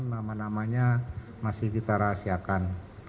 nama namanya masih kita rahasiakan